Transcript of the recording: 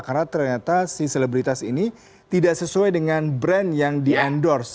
karena ternyata si selebritas ini tidak sesuai dengan brand yang di endorse